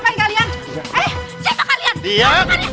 beraninya kamu andis kerjain saya